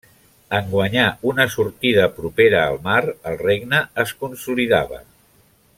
En guanyar una sortida propera al mar, el regne es consolidava.